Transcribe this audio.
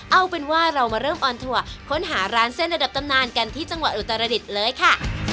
เอาเป็นว่าเรามาเริ่มออนทัวร์ค้นหาร้านเส้นระดับตำนานกันที่จังหวัดอุตรดิษฐ์เลยค่ะ